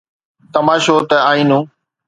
تماشو ته آئينو!